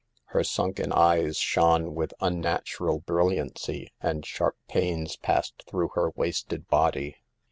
Her sunken eyes shone with unnatural brilliancy, THE FEKILS OF POVEBTY. and sharp pains passed through her wasted body.